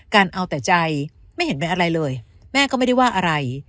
เอาแต่ใจไม่เห็นเป็นอะไรเลยแม่ก็ไม่ได้ว่าอะไร